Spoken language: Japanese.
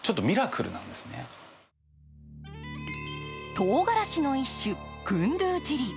とうがらしの一種、グンドゥチリ。